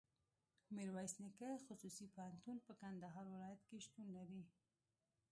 ميرویس نيکه خصوصي پوهنتون په کندهار ولایت کي شتون لري.